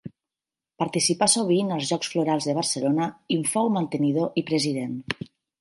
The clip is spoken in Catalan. Participà sovint als Jocs Florals de Barcelona, i en fou mantenidor i president.